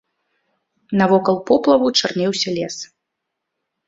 Навокал поплаву чарнеўся лес.